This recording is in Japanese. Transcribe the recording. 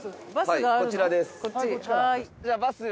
はいこちらです。